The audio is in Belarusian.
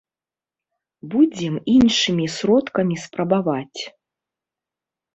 Будзем іншымі сродкамі спрабаваць.